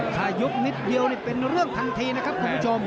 ถ้ายุบนิดเดียวนี่เป็นเรื่องทันทีนะครับคุณผู้ชม